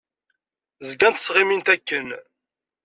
Zgant ttɣimint akken.